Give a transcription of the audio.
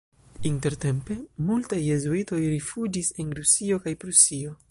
Intertempe multaj jezuitoj rifuĝis en Rusio kaj Prusio.